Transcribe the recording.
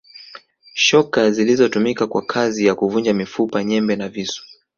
Shoka zilizotumika kwa kazi ya kuvunja mifupa nyembe na visu